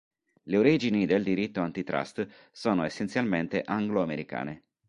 Le origini del diritto antitrust sono essenzialmente anglo-americane.